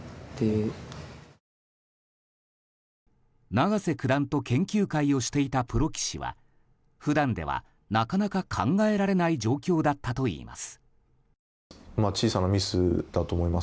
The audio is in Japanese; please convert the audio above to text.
永瀬九段と研究会をしていたプロ棋士は普段では、なかなか考えられない状況だったといいます。